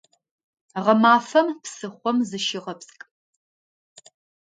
Гъэмафэм псыхъом зыщыгъэпскӏ!